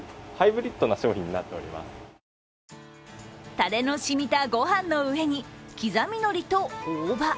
たれの染みたご飯の上に、刻みのりと大葉。